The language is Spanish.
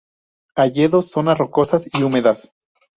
Hayedos, zonas rocosas y húmedas.